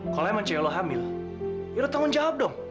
kalau emang cewek lo hamil ya lo tanggung jawab dong